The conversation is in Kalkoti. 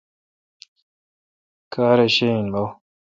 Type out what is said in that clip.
کار ے شہ این بو۔